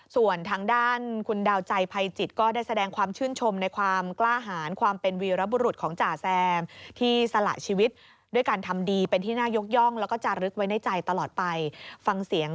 ส่วนทางด้านคุณดาวใจภัยจิตก็ได้แสดงความชื่นชมในความกล้าหารความเป็นวีรบุรุษของจ่าแซมที่สละชีวิตด้วยการทำดีเป็นที่น่ายกย่องแล้วก็จารึกไว้ในใจตลอดไปฟังเสียง